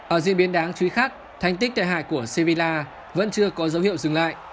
ở diễn biến đáng chú ý khác thành tích tài hại của svilla vẫn chưa có dấu hiệu dừng lại